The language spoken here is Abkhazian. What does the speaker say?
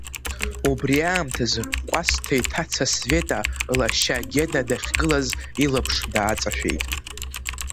Убри аамҭазы, Кәасҭа иҭаца Света лашьа Гена дахьгылаз илаԥш дааҵашәеит.